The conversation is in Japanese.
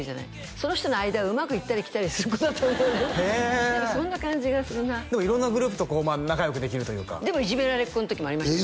その人の間をうまく行ったり来たりする子だったへえそんな感じがするなでも色んなグループと仲良くできるというかでもいじめられっ子の時もありましたよ